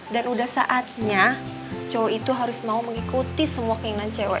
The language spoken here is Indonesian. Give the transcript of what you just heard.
dan udah saatnya cowok itu harus mau mengikuti semua keinginan cewek